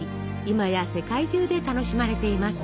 今や世界中で楽しまれています。